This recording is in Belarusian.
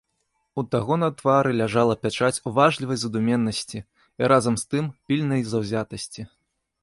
У таго на твары ляжала пячаць уважлівай задуменнасці і, разам з тым, пільнай заўзятасці.